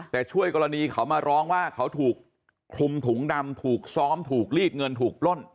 แต่ช่วยกรณีเขามาร้องว่าเขาถูกคลุมถุงดำถูกซ้อมถูกลีดเงินถูกปล้น